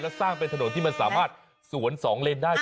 และสร้างเป็นถนนที่มันสามารถสวน๒เลนได้